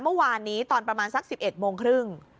เมื่อวานนี้ตอนประมาณสัก๑๑โมงครึ่ง